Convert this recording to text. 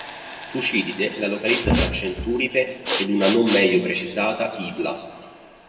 Tucidide la localizza tra Centuripe ed una non meglio precisata Ibla.